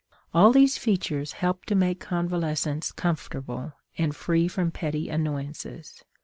All these features help to make convalescence comfortable and free from petty annoyances.